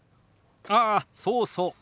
ああそうそう。